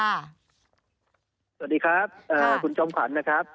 สวัสดีครับคุณจอมขวัญนะครับ